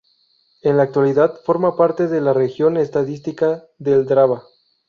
En la actualidad forma parte de la región estadística del Drava.